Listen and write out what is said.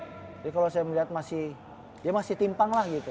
jadi kalau saya melihat masih ya masih timpang lah gitu